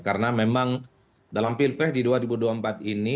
karena memang dalam pilpres di dua ribu dua puluh empat ini